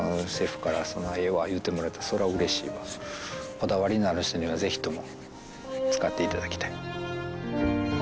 こだわりのある人にはぜひとも使って頂きたい。